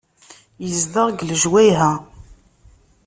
Yezdeɣ deg lejwayeh-a.